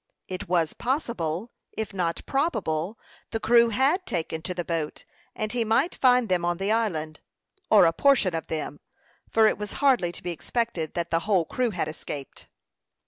It was possible, if not probable, the crew had taken to the boat, and he might find them on the island, or a portion of them, for it was hardly to be expected that the whole crew had escaped.